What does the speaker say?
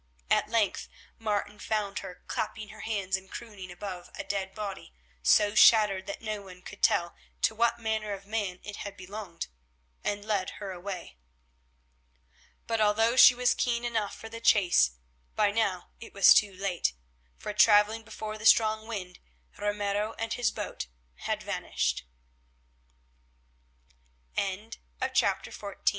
At length Martin found her clapping her hands and crooning above a dead body, so shattered that no one could tell to what manner of man it had belonged, and led her away. But although she was keen enough for the chase, by now it was too late, for, travelling before the strong wind, Ramiro and his boat had vanished. CHAPTER XV SEÑOR RAM